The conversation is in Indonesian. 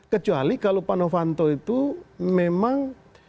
kecuali kalau pak novanto itu memang